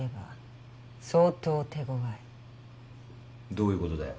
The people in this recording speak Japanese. どういうことだよ？